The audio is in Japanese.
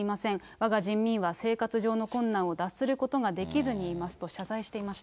わが人民は生活上の困難を脱することができずにいますと、謝罪していました。